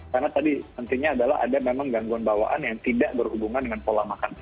karena tadi intinya adalah ada memang gangguan bawaan yang tidak berhubungan dengan pola makan